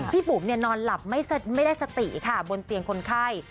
บุ๋มนอนหลับไม่ได้สติค่ะบนเตียงคนไข้